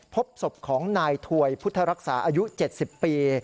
พบศพของนายถวยพุทธรักษาอายุ๗๐ปี